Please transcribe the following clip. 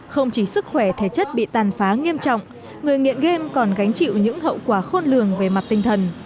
không chỉ sức khỏe thể chất bị tàn phá nghiêm trọng người nghiện game còn gánh chịu những hậu quả khôn lường về mặt tinh thần